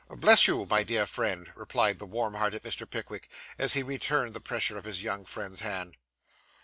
'Bless you, my dear fellow!' replied the warm hearted Mr. Pickwick, as he returned the pressure of his young friend's hand.